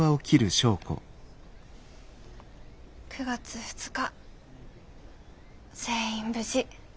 ９月２日全員無事。